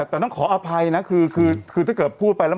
แต่ต้องขออภัยนะคือถ้าเกิดพูดไปแล้ว